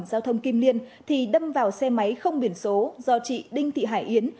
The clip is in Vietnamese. giao thông kim liên thì đâm vào xe máy không biển số do chị đinh thị hải yến